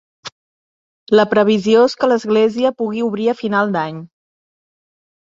La previsió és que l’església pugui obrir a final d’any.